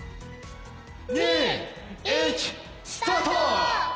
２１スタート！